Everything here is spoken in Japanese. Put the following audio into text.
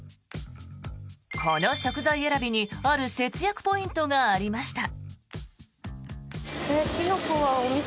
この食材選びにある節約ポイントがありました。